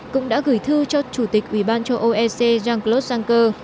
cũng đã gửi thư cho chủ tịch ủy ban cho oec jean claude juncker